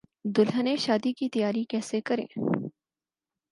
دلہنیں شادی کی تیاری کیسے کریں